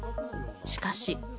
しかし。